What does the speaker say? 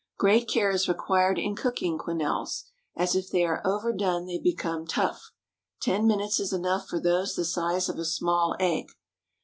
Great care is required in cooking quenelles, as if they are overdone they become tough; ten minutes is enough for those the size of a small egg.